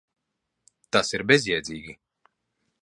Tas ir bezjēdzīgi.